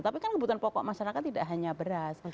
tapi kan kebutuhan pokok masyarakat tidak hanya beras